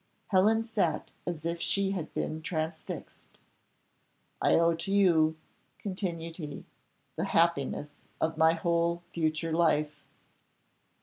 Helen sat as if she had been transfixed. "I owe to you," continued he, "the happiness of my whole future life."